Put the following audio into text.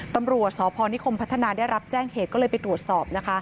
ตำรวจสพนิคมพัฒนาได้รับแจ้งเหตุก็เลยไปตรวจสอบนะคะ